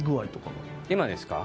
今ですか？